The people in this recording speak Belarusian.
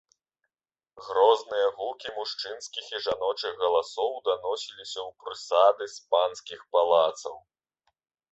Грозныя гукі мужчынскіх і жаночых галасоў даносіліся ў прысады з панскіх палацаў.